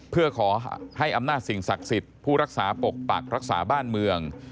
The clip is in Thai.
เพื่อขอให้อำนาจสิ่งศักดิ์สิทธิ์ผู้รักษาปกปักรักษาบ้านเมือง